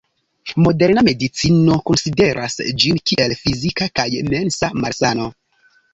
Moderna medicino konsideras ĝin kiel fizika kaj mensa malsano.